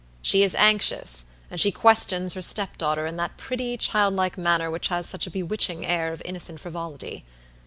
"She is anxious; and she questions her step daughter in that pretty, childlike manner which has such a bewitching air of innocent frivolity.